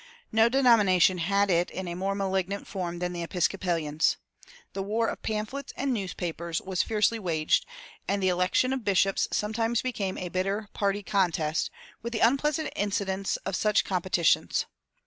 No denomination had it in a more malignant form than the Episcopalians. The war of pamphlets and newspapers was fiercely waged, and the election of bishops sometimes became a bitter party contest, with the unpleasant incidents of such competitions.